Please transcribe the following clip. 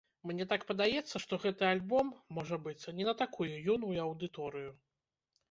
Мне так падаецца, што гэты альбом, можа быць, не на такую юную аўдыторыю.